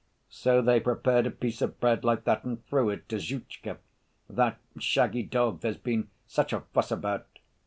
So they prepared a piece of bread like that and threw it to Zhutchka, that shaggy dog there's been such a fuss about.